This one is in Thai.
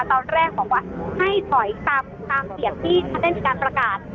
คุณผู้ชุมรมตอนแรกบอกว่าให้ถอยตามเสียงที่ประเทศอินตรีการประกาศ